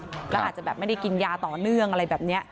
แล้วอาจจะแบบไม่ได้กินยาต่อเนื่องอะไรแบบนี้